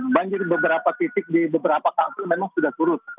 banjir beberapa titik di beberapa kampung memang sudah surut